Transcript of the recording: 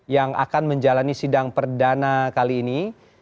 yang akan menjalani sidang perdana kali ini